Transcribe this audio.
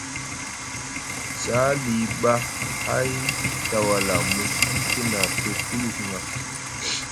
Sali ɓa hay tawala mu siɗiti na te huyuk ŋa.